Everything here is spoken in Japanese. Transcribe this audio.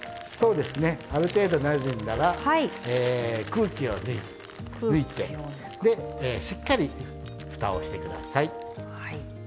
ある程度なじんだら空気を抜いてしっかりふたをしてください。